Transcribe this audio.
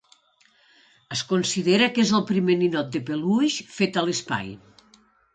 Es considera que és el primer ninot de peluix fet a l'espai.